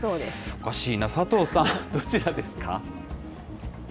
おかしいな、佐藤さん、どちらですか。